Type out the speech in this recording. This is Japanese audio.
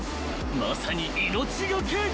［まさに命懸け］